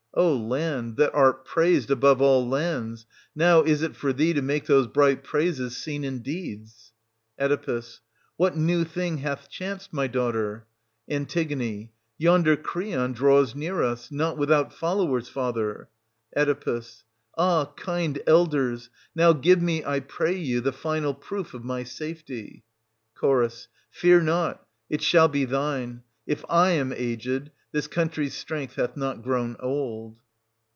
O land that art praised above all lands, now is 720 it for thee to make those bright praises seen in deeds ! Oe. What new thing hath chanced, my daughter ? An. Yonder Creon draws near us, — not without followers, father. Oe. Ah, kind elders, now give me, I pray you, the final proof of my safety I Ch. Fear not — it shall be thine. If / am aged, this country's strength hath not grown old.